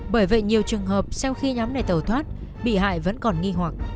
bởi vậy nhiều trường hợp sau khi nhóm này thỏa thuận bị hại vẫn còn nghi hoặc